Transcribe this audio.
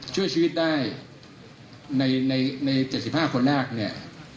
ช่วยชีวิตได้ในในในเจ็ดสิบห้าคนแรกเนี่ย